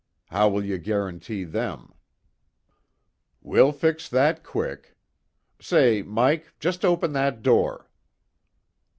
How will you guarantee them?" "We'll fix that quick. Say, Mike, just open that door."